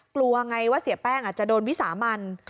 กลัวไงว่าเสียแป้งอาจจะโดนวิสามัน